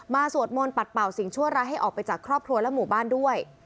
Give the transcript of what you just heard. สวดมนต์ปัดเป่าสิ่งชั่วร้ายให้ออกไปจากครอบครัวและหมู่บ้านด้วย